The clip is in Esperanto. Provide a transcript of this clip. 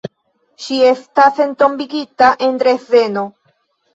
Ŝi estas entombigita en Dresdeno.